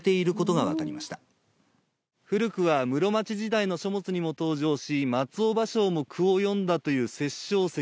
古くは室町時代の書物にも登場し松尾芭蕉も句を詠んだという殺生石。